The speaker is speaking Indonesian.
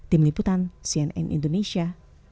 tim liputan cnn indonesia